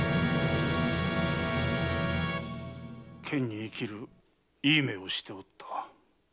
剣に生きるいい目をしておった。